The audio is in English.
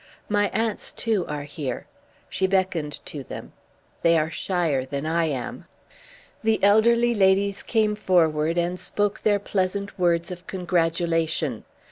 My aunts, too, are here." She beckoned to them. "They are shyer than I am." The elderly ladies came forward and spoke their pleasant words of congratulation.